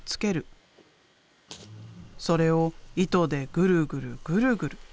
それを糸でぐるぐるぐるぐる。